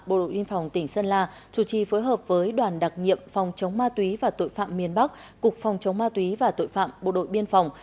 bộ đội biên phòng tỉnh sơn la chủ trì phối hợp với đoàn đặc nhiệm phòng chống ma túy và tội phạm miền bắc cục phòng chống ma túy và tội phạm bộ đội biên phòng